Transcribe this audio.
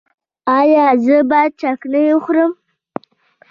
ایا زه باید چکنی وخورم؟